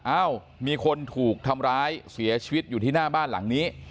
อ้าวมีคนถูกทำร้ายเสียชีวิตอยู่ที่หน้าบ้านหลังนี้